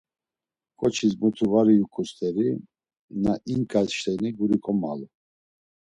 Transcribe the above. K̆oçis, muti var iyuǩo st̆eri, na inǩay şeni guri kommalu.